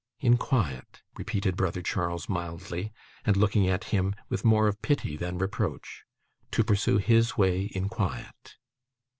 'In quiet!' repeated brother Charles mildly, and looking at him with more of pity than reproach. 'To pursue HIS way in quiet!